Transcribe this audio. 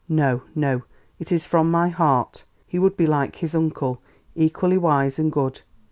No! No! It is from my heart. He will be like his uncle, equally wise and good.